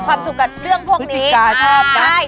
ความสุขกับเรื่องพวกนี้